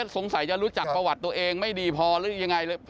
สงสัยจะรู้จักประวัติตัวเองไม่ดีพอหรือยังไง